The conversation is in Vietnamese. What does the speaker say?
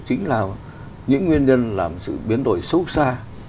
chính là những nguyên nhân làm sự biến đổi sâu xa